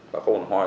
và không còn hoài